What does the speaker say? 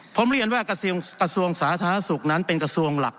ผมเรียนว่ากระทรวงสาธารณสุขนั้นเป็นกระทรวงหลัก